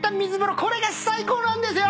これが最高なんですよ！